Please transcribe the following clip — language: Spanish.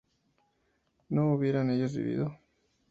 ¿no hubieran ellos vivido?